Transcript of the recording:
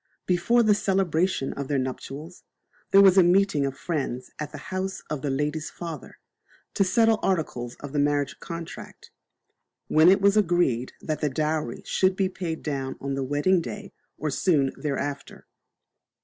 Before the celebration of their nuptials, there was a meeting of friends at the house of the lady's father, to settle articles of the marriage contract, when it was agreed that the dowry should be paid down on the wedding day or soon after.